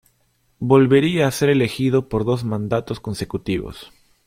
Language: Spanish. Volvería a ser elegido por dos mandatos consecutivos.